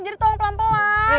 jadi tolong pelan pelan